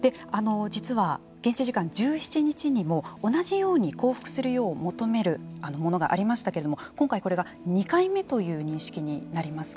実は、現地時間１７日にも同じように降伏するよう求めるものがありましたけれども今回、これが２回目という認識になります。